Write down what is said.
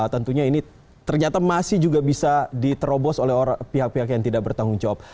tentunya ini ternyata masih juga bisa diterobos oleh pihak pihak yang tidak bertanggung jawab